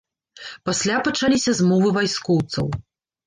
Пасля пачаліся змовы вайскоўцаў.